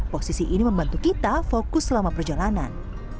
posisi ini membantu kita fokus selama perjalanan